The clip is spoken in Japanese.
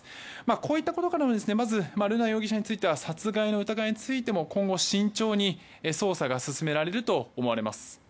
こういったことからもまず、瑠奈容疑者については殺害の疑いについても今後、慎重に捜査が進められると思われます。